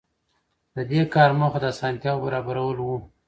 د دې کار موخه د اسانتیاوو برابرول وو.